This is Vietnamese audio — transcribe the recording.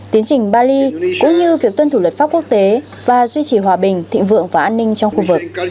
tiến trình bali cũng như việc tuân thủ luật pháp quốc tế và duy trì hòa bình thịnh vượng và an ninh trong khu vực